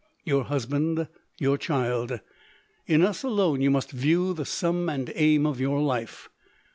Your husband, your child ; in us alone you must view the sum and aim of your life.